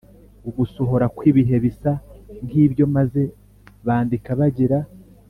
ugusohora kw’ibihe bisa nk’ibyo maze bandika bagira